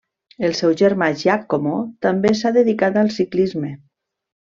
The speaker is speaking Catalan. El seu germà Giacomo també s'ha dedicat al ciclisme.